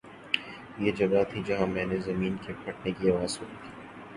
”یہ جگہ تھی، جہاں میں نے زمین کے پھٹنے کی آواز سنی تھی